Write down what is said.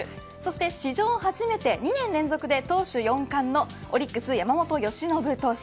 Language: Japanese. そして史上初めて２年連続で投手４番オリックス、山本由伸投手。